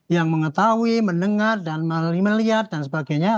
yang mengetahui mendengar dan melihat dan sebagainya